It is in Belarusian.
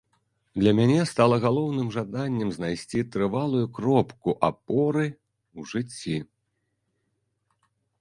Для мяне стала галоўным жаданне знайсці трывалую кропку апоры ў жыцці.